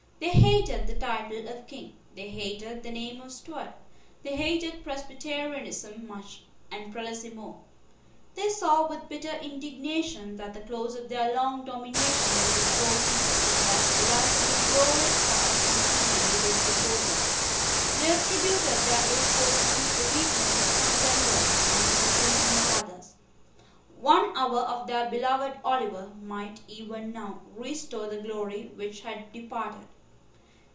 They hated the title of King. They hated the name of Stuart. They hated Presbyterianism much, and Prelacy more. They saw with bitter indignation that the close of their long domination was approaching, and that a life of inglorious toil and penury was before them. They attributed their ill fortune to the weakness of some generals, and to the treason of others. One hour of their beloved Oliver might even now restore the glory which had departed.